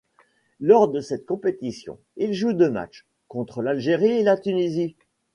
Lors de cette compétition, il joue deux matchs, contre l'Algérie, et la Tunisie.